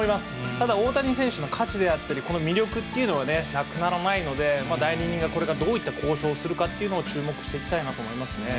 ただ、大谷選手の価値であったり、この魅力っていうのはね、なくならないので、代理人がこれからどういった交渉をするかっていうのを、注目していきたいなと思いますね。